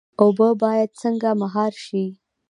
اوبه باید څنګه مهار شي؟